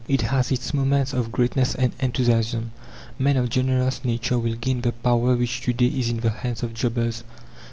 It has its moments of greatness and enthusiasm. Men of generous nature will gain the power which to day is in the hand of jobbers.